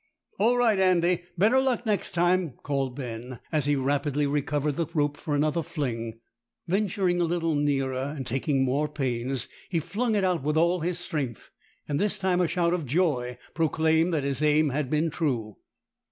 "All right, Andy—better luck next time," called Ben, as he rapidly recovered the rope for another fling. Venturing a little nearer, and taking more pains, he flung it out with all his strength, and this time a shout of joy proclaimed that his aim had been true.